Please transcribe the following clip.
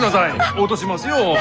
落としますよ。